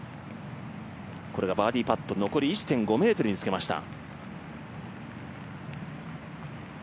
これがバーディーパット、残り１．５ｍにつけました。